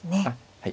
はい。